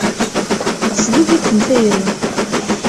Tesdub-ikem tayri.